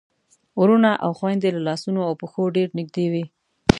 وروڼه او خويندې له لاسونو او پښو ډېر نږدې وي.